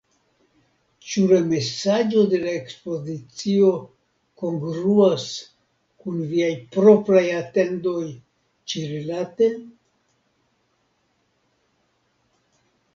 Ĉu la mesaĝo de la ekspozicio kongruas kun viaj propraj atendoj ĉi-rilate?